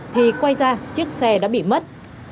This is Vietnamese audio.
thì quay ra chiếc xe đã bị mất